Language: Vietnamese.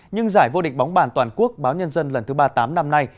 nhưng giải vô địch bóng bàn toàn quốc báo nhân dân lần thứ ba mươi tám năm nay